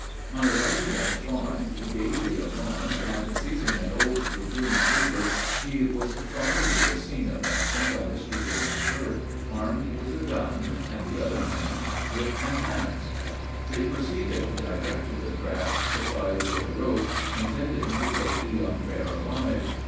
On arriving at the farm, he gave the alarm, and, seizing an old dragoon sabre, he was followed to the scene of action by Mr. James Burke, armed with a gun, and the other man with an axe. "They proceeded direct to the trap, supplied with a rope, intending to take the young bear alive.